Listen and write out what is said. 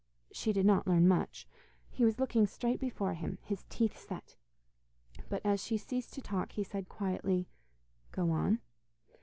She did not learn much. He was looking straight before him, his teeth set. But as she ceased to talk, he said quietly, 'Go on.